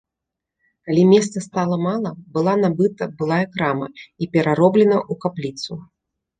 Калі месца стала мала, была набыта былая крама і перароблена ў капліцу.